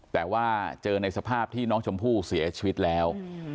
แต่ว่าเจอในสภาพที่น้องชมพู่เสียชีวิตแล้ว